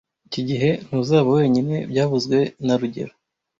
Iki gihe ntuzaba wenyine byavuzwe na rugero